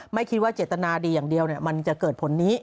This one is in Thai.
ไม่คิดว่าเจตนาดีอย่างเดียวมันจะเกิดผลนี้